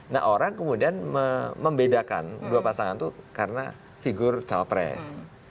nah orang kemudian membedakan dua pasangan itu karena figur cawapres